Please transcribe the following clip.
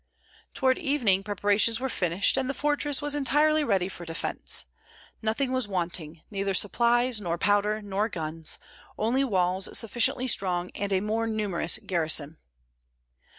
Toward evening preparations were finished, and the fortress was entirely ready for defence. Nothing was wanting, neither supplies, nor powder, nor guns; only walls sufficiently strong and a more numerous garrison.